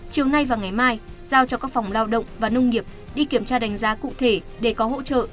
chiều nay và ngày mai giao cho các phòng lao động và nông nghiệp đi kiểm tra đánh giá cụ thể để có hỗ trợ